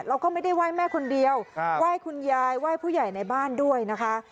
แล้วก็ไม่ได้ไหว้แม่คนเดียวไหว้คุณยายไหว้ผู้ใหญ่ในบ้านด้วยนะคะ